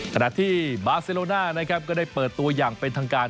ขณะที่บาเซโลน่านะครับก็ได้เปิดตัวอย่างเป็นทางการ